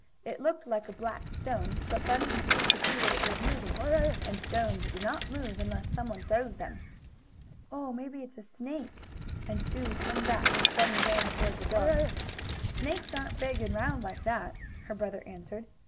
It looked like a black stone, but Bunny and Sue could see that it was moving, and stones do not move unless someone throws them. "Oh, maybe it's a snake!" and Sue hung back as Bunny ran toward the dog. "Snakes aren't big and round like that," her brother answered.